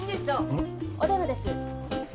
うん？お電話です。